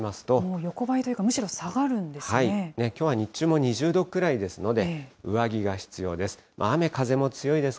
横ばいというかむしろ下がるきょうは日中も２０度くらいですので、上着が必要です。